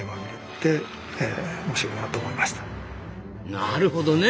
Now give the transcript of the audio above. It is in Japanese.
なるほどね。